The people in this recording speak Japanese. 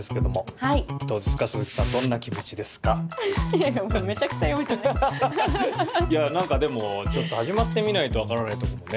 いや何かでもちょっと始まってみないと分からないとこもねありますからね。